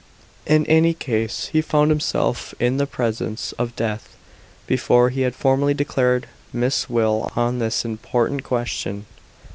In any case, he found himself in the presence of death before he had formally declared Ms will on this im|K>rt»nt question.